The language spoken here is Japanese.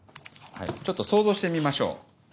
はいちょっと想像してみましょう。